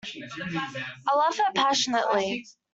I love her passionately.